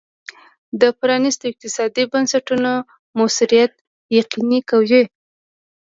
د پرانیستو اقتصادي بنسټونو موثریت یقیني کوي.